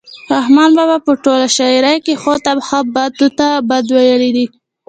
رحمان بابا په ټوله شاعرۍ کې ښو ته ښه بدو ته بد ویلي دي.